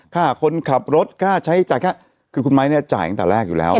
ค่าคนขับรถค่าใช้จ่ายค่าคือคุณไม้เนี่ยจ่ายตั้งแต่แรกอยู่แล้ว